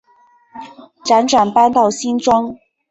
辗转搬到新庄